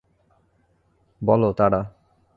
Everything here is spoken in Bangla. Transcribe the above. বলো, তারা।